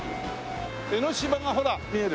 江の島がほら見える。